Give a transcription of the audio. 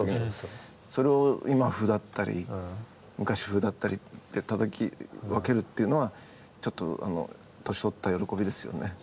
それを今風だったり昔風だったりってたたき分けるっていうのはちょっとあの年取った喜びですよね。